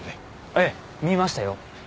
ええ見ましたよ。